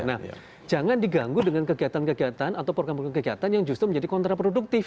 nah jangan diganggu dengan kegiatan kegiatan atau program program kegiatan yang justru menjadi kontraproduktif